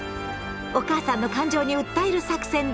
お母さんの感情に訴える作戦で勝負！